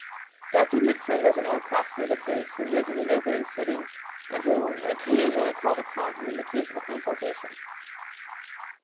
Doctor Mitford was an old classmate of his who lived in a neighbouring city and who occasionally called upon him in the case of a consultation.